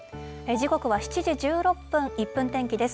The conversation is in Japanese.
時刻は７時１６分、１分天気です。